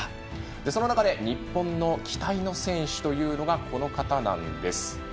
その中で日本の期待の選手がこの方なんです。